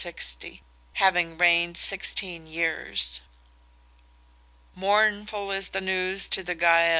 860), having reigned sixteen years. "Mournful is the news to the Gael!"